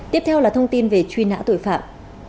tiếp theo là thông tin về truy nã tội phạm